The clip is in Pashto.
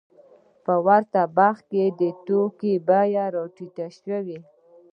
په ورته وخت کې د توکو بیې راټیټې شوې